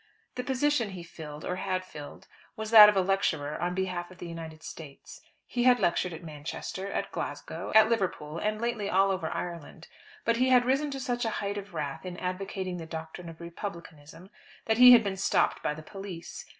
The position he filled, or had filled, was that of lecturer on behalf of the United States. He had lectured at Manchester, at Glasgow, at Liverpool, and lately all over Ireland. But he had risen to such a height of wrath in advocating the doctrine of Republicanism that he had been stopped by the police.